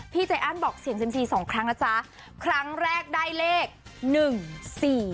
ใจอันบอกเสียงเซ็มซีสองครั้งนะจ๊ะครั้งแรกได้เลขหนึ่งสี่